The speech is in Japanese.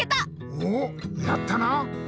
おおやったな！